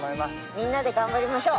みんなで頑張りましょう。